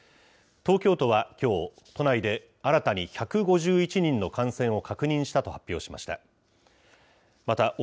東京都はきょう、都内で新たに１５１人の感染を確認したと発表しました。